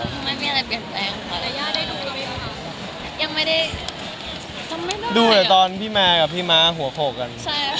ยังไม่ได้ดูตอนพี่แมร์กับพี่มึ้งเขากัน